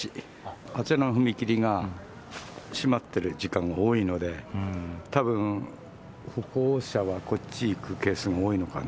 あちらの踏切が閉まってる時間が多いので、たぶん、歩行者はこっち行くケースも多いのかな。